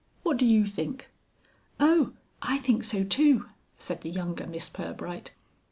What do you think?" "Oh! I think so too," said the younger Miss Pirbright.